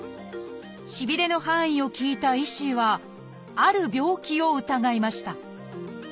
しびれの範囲を聞いた医師はある病気を疑いました。